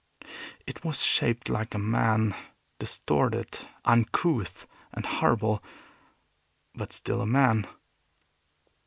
It was shaped like a man distorted, uncouth, and horrible, but still a man.